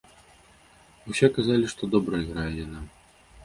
Усе казалі, што добра іграе яна.